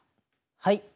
はい。